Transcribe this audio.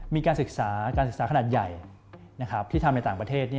มีการศึกษาการศึกษาขนาดใหญ่ที่ทำในต่างประเทศ